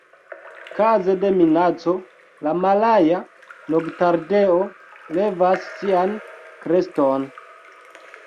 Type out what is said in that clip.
Kaze de minaco, la Malaja noktardeo levas sian kreston.